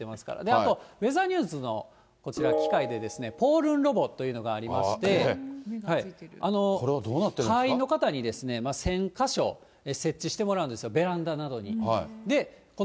あとウェザーニューズのこちら、機械で、ポールンロボというのがありまして、会員の方に１０００か所設置してもらうんですよ、ベランダなどに。